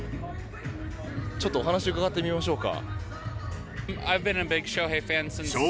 ちょっとお話を伺ってみましょうか。